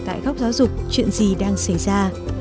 tại góc giáo dục chuyện gì đang xảy ra